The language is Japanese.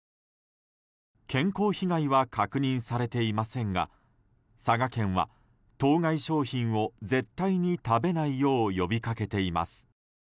健康被害は確認されていませんが佐賀県は、当該商品を絶対に食べないよう呼びかけています。